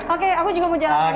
oke aku juga mau jalan lagi